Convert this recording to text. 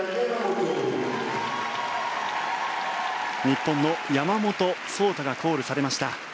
日本の山本草太がコールされました。